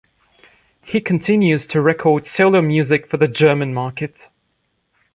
He continues to record solo music for the German market.